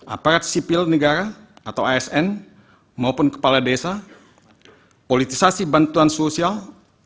aparat sipil negara atau asn maupun kepala desa politisasi bantuan sosial